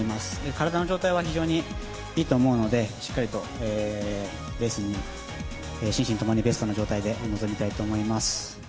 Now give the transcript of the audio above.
体の状態は非常にいいと思うので、しっかりとレースに、心身ともにベストな状態で臨みたいと思います。